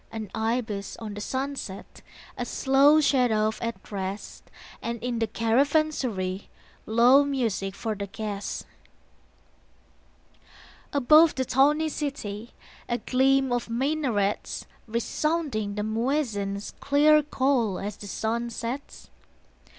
An ibis on the sunset, A slow shadouf at rest, And in the caravansary Low music for the guest. Above the tawny city A gleam of minarets, Resounding the muezzin's Clear call as the sun sets.